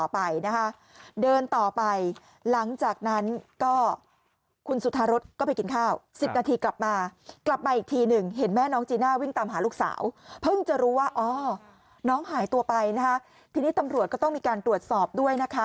เพิ่งจะรู้ว่าน้องหายตัวไปทีนี้ตำรวจก็ต้องมีการตรวจสอบด้วยนะคะ